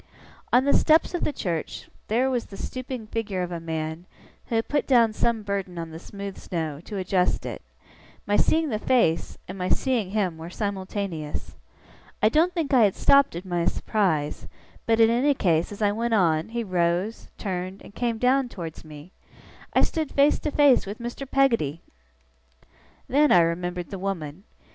On the steps of the church, there was the stooping figure of a man, who had put down some burden on the smooth snow, to adjust it; my seeing the face, and my seeing him, were simultaneous. I don't think I had stopped in my surprise; but, in any case, as I went on, he rose, turned, and came down towards me. I stood face to face with Mr. Peggotty! Then I remembered the woman.